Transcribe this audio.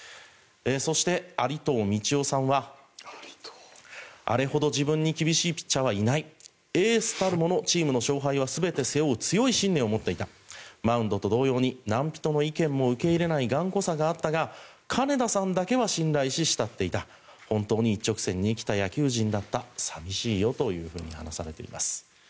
そして、有藤通世さんはあれほど自分に厳しいピッチャーはいないエースたるものチームの勝敗は全て背負う強い信念を持っていたマウンドと同様に何人の意見も受け入れない頑固さがあったが金田さんだけは信頼し慕っていた本当に一直線に生きた野球人だった寂しいよと話されています。